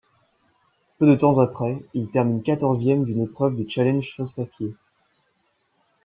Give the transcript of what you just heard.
Peu de temps après, il termine quatorzième d'une épreuve des Challenges Phosphatiers.